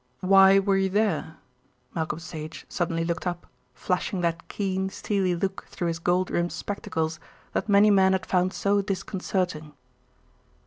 "Why were you there?" Malcolm Sage suddenly looked up, flashing that keen, steely look through his gold rimmed spectacles that many men had found so disconcerting.